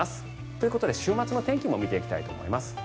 ということで週末の天気も見ていきたいと思います。